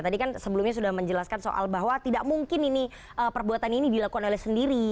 tadi kan sebelumnya sudah menjelaskan soal bahwa tidak mungkin ini perbuatan ini dilakukan oleh sendiri